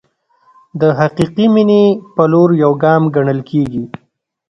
د حقیقي مینې په لور یو ګام ګڼل کېږي.